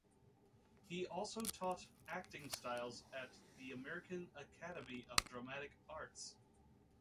He also taught acting styles at the American Academy of Dramatic Arts.